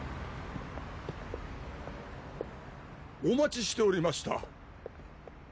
お待ちしておりました。